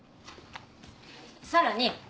さらに！